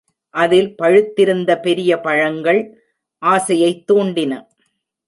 அதில் பழுத்திருந்த பெரிய பழங்கள் ஆசையைத் தூண்டின.